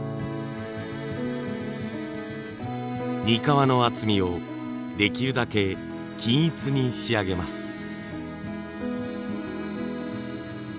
にかわの厚みをできるだけ均一に仕上げます。